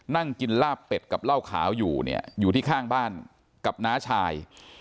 นั่งกินลาบเป็ดกับเหล้าขาวอยู่เนี่ยอยู่ที่ข้างบ้านกับน้าชาย